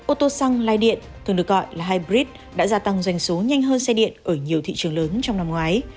ô tô xăng lai điện thường được gọi là hybrid đã gia tăng doanh số nhanh hơn xe điện ở nhiều thị trường lớn trong năm ngoái